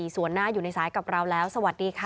ส่วนหน้าอยู่ในสายกับเราแล้วสวัสดีค่ะ